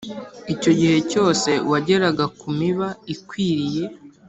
Icyo gihe cyose uwageraga ku miba ikwiriye